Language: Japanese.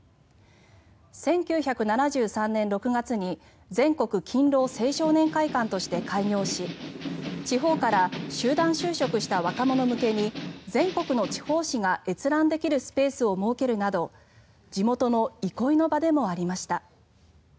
１９７３年６月に全国勤労青少年会館として開業し地方から集団就職した若者向けに全国の地方紙が閲覧できるスペースを設けるなど地元の憩いの場でもありました。